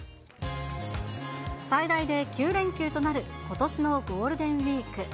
最大で９連休となることしのゴールデンウィーク。